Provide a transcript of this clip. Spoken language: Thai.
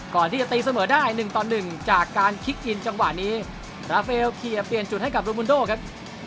ก่อนที่จะตีเสมอได้หนึ่งต่อหนึ่งจากการคิกอินจังหวะนี้ราเฟลเขียนเปลี่ยนจุดให้กับลูมวุนโด่ครับ